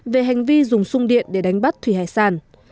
về hành vi dùng sung điện để đánh bắt thủy hải sản